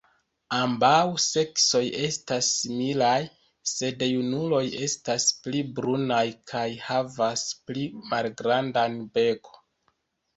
Ambaŭ seksoj estas similaj, sed junuloj estas pli brunaj kaj havas pli malgrandan beko.